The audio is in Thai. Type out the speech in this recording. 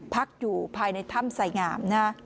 พักอยู่ภายในถ้ำใส่งามนะ